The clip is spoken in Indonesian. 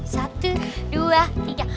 satu dua tiga